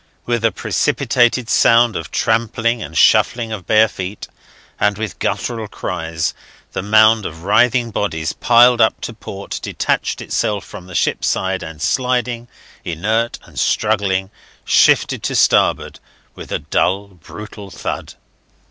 With a precipitated sound of trampling and shuffling of bare feet, and with guttural cries, the mound of writhing bodies piled up to port detached itself from the ship's side and sliding, inert and struggling, shifted to starboard, with a dull, brutal thump.